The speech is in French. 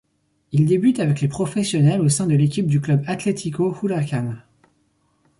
Il débute avec les professionnels au sein de l'équipe du Club Atlético Huracán.